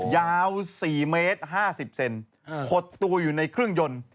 ยาว๔เมตร๕๐เซนขดตัวอยู่ในเครื่องยนต์